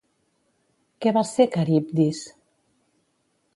Què va ser Caribdis?